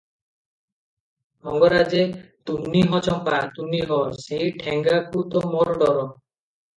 ମଙ୍ଗରାଜେ - ତୁନି ହ ଚମ୍ପା, ତୁନି ହ! ସେହି ଠେଙ୍ଗାକୁ ତ ମୋର ଡର ।